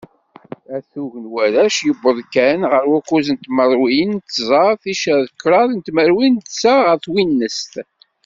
Atug n warrac yewweḍ kan ɣer wukuẓ n tmerwin d tẓa ticcer kraḍ n tmerwin d ssa ɣef twinest.